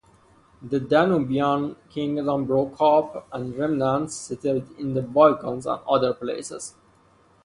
The Danubian kingdom broke up and remnants settled in the Balkans and other places.